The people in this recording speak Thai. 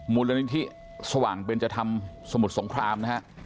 มุรินิทสว่างเป็นจะทำสมุดสงครามนะฮะ